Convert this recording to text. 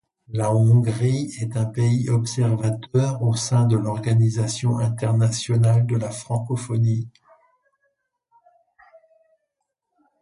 La Hongrie est un pays observateur au sein de l'Organisation internationale de la francophonie.